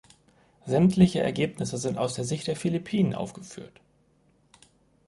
Sämtliche Ergebnisse sind aus der Sicht der Philippinen aufgeführt.